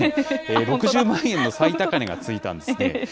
６０万円の最高値がついたんですね。